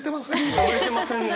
眠れてませんね。